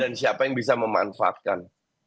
dan siapa yang bisa memanfaatkan